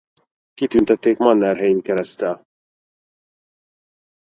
Kitüntették a Mannerheim-kereszttel.